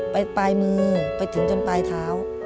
ปลายมือไปถึงจนปลายเท้า